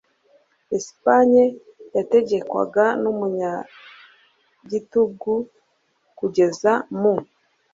Espagne yategekwaga n’umunyagitugu kugeza mu .